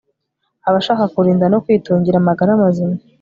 Abashaka kurinda no kwitungira amagara mazima